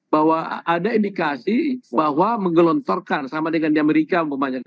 bahwa ada indikasi bahwa menggelontorkan sama dengan di amerika umpamanya